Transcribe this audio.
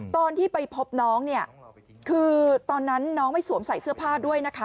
ตอนที่ไปพบน้องเนี่ยคือตอนนั้นน้องไม่สวมใส่เสื้อผ้าด้วยนะคะ